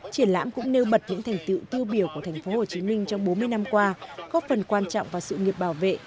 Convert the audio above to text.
triển lãm cũng nêu bật những thành tựu tiêu biểu của tp hcm trong bốn mươi năm qua góp phần quan trọng vào sự nghiệp bảo vệ